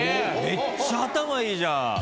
めっちゃ頭いいじゃん！